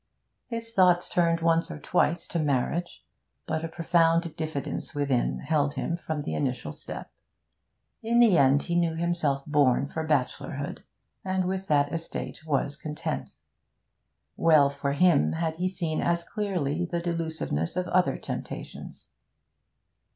His thoughts turned once or twice to marriage, but a profound diffidence withheld him from the initial step; in the end, he knew himself born for bachelorhood, and with that estate was content. Well for him had he seen as clearly the delusiveness of other temptations!